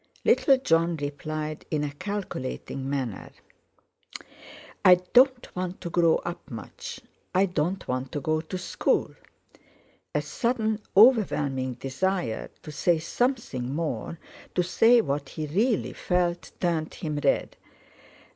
Little Jon replied in a calculating manner: "I don't want to grow up, much. I don't want to go to school." A sudden overwhelming desire to say something more, to say what he really felt, turned him red.